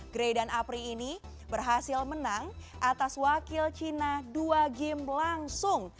gray dan apri ini berhasil menang atas wakil cina dua game langsung